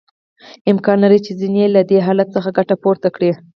امکان لري چې ځینې یې له دې حالت څخه ګټه پورته کړي